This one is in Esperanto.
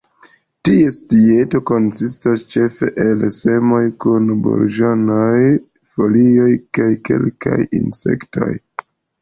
Ties dieto konsistas ĉefe el semoj kun burĝonoj, folioj kaj kelkaj insektoj.